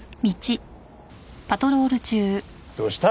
どうした？